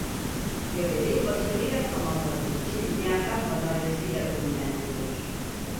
Görevi başarıyla tamamladığı için Liyakat Madalyası'yla ödüllendirilir.